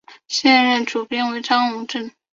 现任主编为张珑正。